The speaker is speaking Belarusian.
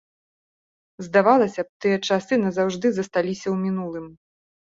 Здавалася б, тыя часы назаўжды засталіся ў мінулым.